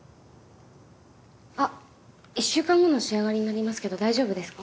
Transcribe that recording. あっ１週間後の仕上がりになりますけど大丈夫ですか？